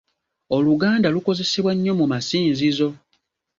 Oluganda lukozesebwa nnyo mu masinzizo.